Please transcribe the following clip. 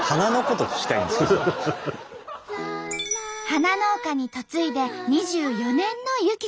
花農家に嫁いで２４年の友紀子さん。